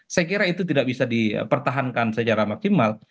saya kira itu tidak bisa dipertahankan secara maksimal